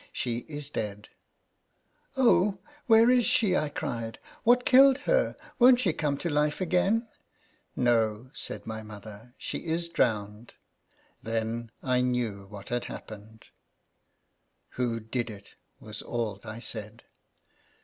" She is dead." " Oh, where is she ?" I cried. " What killed her ? Won't she come to life again ?"" No," said my mother ;" she is drowned." Then I knew what had happened. 'tWho did it?" was all I said.